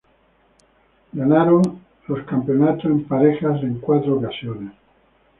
Ganaron los Campeonatos en Parejas en cuatro ocasiones.